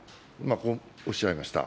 こうおっしゃいました。